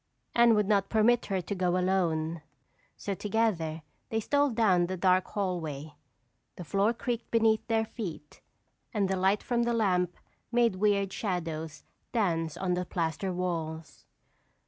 Anne would not permit her to go alone so together they stole down the dark hallway. The floor creaked beneath their feet and the light from the lamp made weird shadows dance on the plaster walls.